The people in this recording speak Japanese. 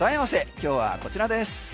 今日はこちらです。